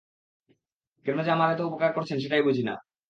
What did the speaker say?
কেন যে আমার এত উপকার করছেন সেটাই বুঝিনা।